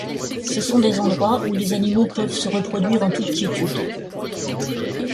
Ce sont des endroits où les animaux peuvent se reproduire en toute quiétude.